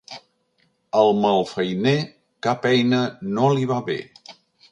Al malfeiner cap eina no li va bé.